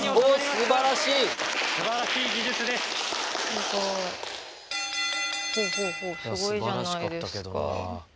すばらしかったけどな。